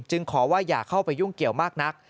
ขอว่าอย่าเข้าไปยุ่งเกี่ยวมากนัก